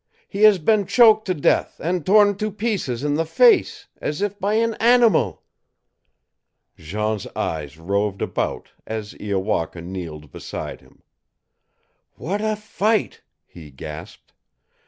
He has been choked to death, and torn to pieces in the face, as if by an animal!" Jean's eyes roved about as Iowaka kneeled beside him. "What a fight!" he gasped.